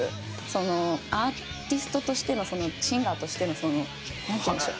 そのアーティストとしてのシンガーとしてのそのなんていうんでしょう？